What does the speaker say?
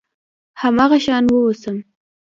هماغه شان واوسم .